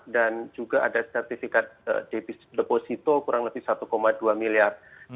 dan juga ada sertifikat deposito kurang lebih satu dua miliar